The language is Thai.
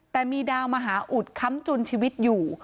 แต่มีดาวมหาอุดค้ำจุนชีวิตอยู่